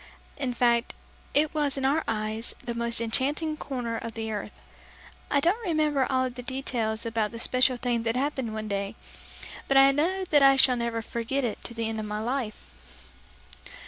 In fact, it was in our eyes, the most enchanting corner of the earth. I don't remember all the details about the special thing that happened one day, but I know that I shall never forget it to the end of my life.